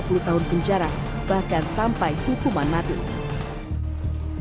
sebelumnya kota ini dikenakan sebagai tempat yang terkenal untuk penyakit yang terjadi di sekitar kota